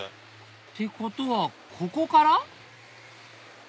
ってことはここから？